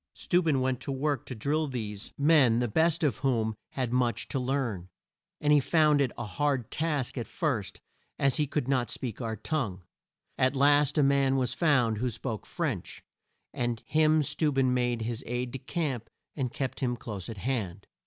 Steu ben went to work to drill these men, the best of whom had much to learn, and he found it a hard task at first as he could not speak our tongue. At last a man was found who spoke French, and him Steu ben made his aide de camp and kept him close at hand.